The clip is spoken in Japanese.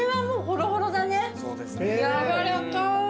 やわらかい。